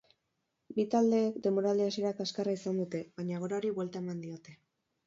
Bi taldeek denboraldi hasiera kaskarra izan dute, baina egoerari buelta eman diote.